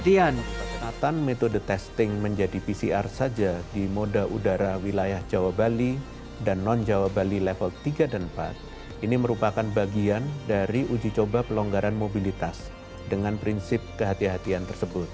pengetatan metode testing menjadi pcr saja di moda udara wilayah jawa bali dan non jawa bali level tiga dan empat ini merupakan bagian dari uji coba pelonggaran mobilitas dengan prinsip kehatian tersebut